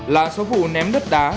là số phụ ném đất đá